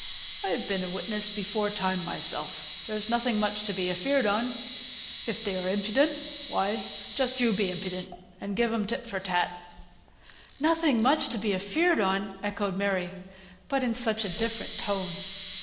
I've been a witness before time myself; there's nothing much to be afeared on; if they are impudent, why, just you be impudent, and give 'em tit for tat." "Nothing much to be afeared on!" echoed Mary, but in such a different tone.